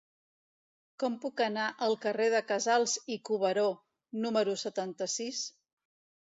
Com puc anar al carrer de Casals i Cuberó número setanta-sis?